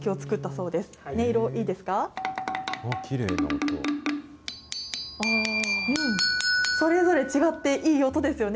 うん、それぞれ違って、いい音ですよね。